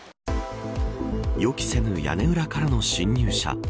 予期せぬ屋根裏からの侵入者。